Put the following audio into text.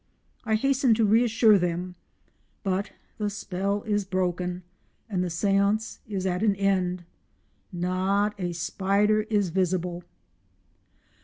I hasten to reassure them, but the spell is broken, and the séance is at an end. Not a spider is visible.